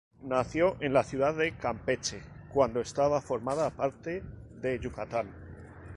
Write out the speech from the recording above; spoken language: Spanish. Nació en la ciudad de Campeche cuando esta formaba parte de Yucatán.